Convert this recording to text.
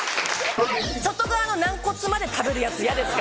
外側の軟骨まで食べるヤツ嫌ですか？